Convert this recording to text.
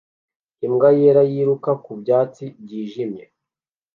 Imbwa yera yiruka ku byatsi byijimye